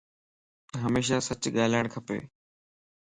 ھميشا سچ ڳالاڙ کپ